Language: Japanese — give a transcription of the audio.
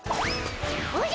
おじゃ！